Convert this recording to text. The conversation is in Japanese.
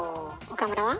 岡村は？